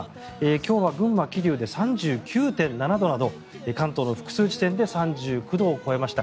今日は群馬・桐生で３９．７度など関東の複数地点で３９度を超えました。